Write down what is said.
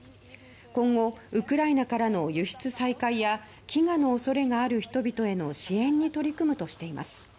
今後ウクライナからの輸出再開や飢餓の恐れがある人々への支援に取り組むとしています。